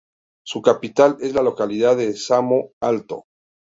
Su capital es la localidad de Samo Alto.